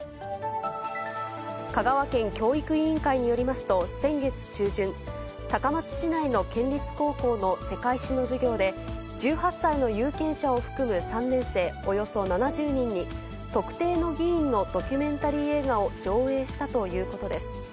香川県教育委員会によりますと、先月中旬、高松市内の県立高校の世界史の授業で、１８歳の有権者を含む３年生およそ７０人に、特定の議員のドキュメンタリー映画を上映したということです。